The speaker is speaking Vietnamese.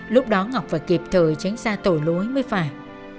lúc đó ngọc phải kịp thời tránh xa tội lỗi mới phải